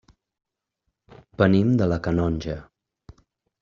Venim de la Canonja.